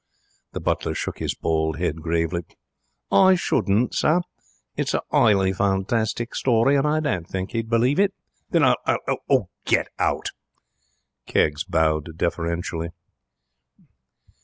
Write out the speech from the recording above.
The butler shook his bald head gravely. 'I shouldn't, sir. It is a 'ighly fantastic story, and I don't think he would believe it.' 'Then I'll Oh, get out!' Keggs bowed deferentially.